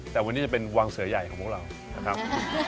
แต่วันนี้จะเป็นวังเสือใหญ่ของพวกเรานะครับ